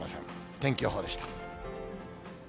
天気予報でした。